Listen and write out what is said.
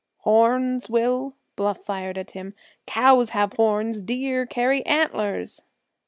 "Horns, Will?" Bluff fired at him; "cows have horns, deer carry antlers!"